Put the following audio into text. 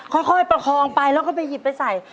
ค่อยประคองไปแล้วก็ไปหยิบไปใส่